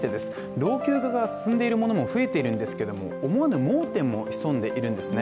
老朽化が進んでいるものも増えているんですけども、思わぬ盲点も潜んでいるんですね